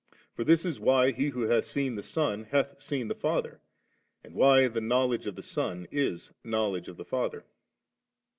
For this is why he who hath seen the Son hath •een the Father, and why the knowledge of the Son is knowledge of the Father.